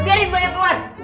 biarin banyak keluar